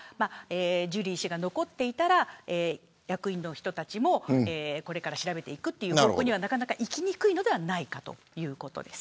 ジュリー氏が残っていたら役員の人たちもこれから調べるという方向にはいきにくいのではないかということです。